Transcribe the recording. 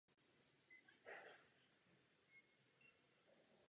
Nemůžeme vytvořit úspěšnou Evropu tak, že ji rozkouskujeme.